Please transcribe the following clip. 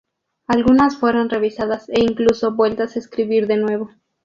Algunas fueron revisadas e incluso vueltas a escribir de nuevo.